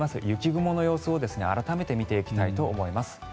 雪雲の様子を改めて見ていきたいと思います。